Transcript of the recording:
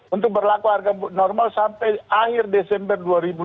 untuk berlaku harga normal sampai akhir desember dua ribu dua puluh